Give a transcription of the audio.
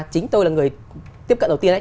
chính tôi là người tiếp cận đầu tiên đấy